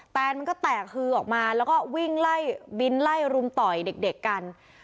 แนนมันก็แตกฮือออกมาแล้วก็วิ่งไล่บินไล่รุมต่อยเด็กกัน